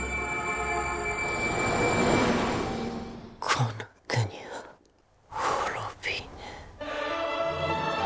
この国は滅びぬ。